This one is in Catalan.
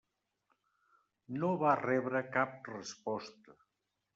No va rebre cap resposta.